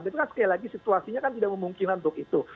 itu kan sekali lagi situasinya kan tidak memungkinkan untuk itu